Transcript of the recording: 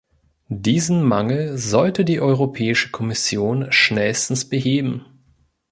Diesen Mangel sollte die Europäische Kommission schnellstens beheben.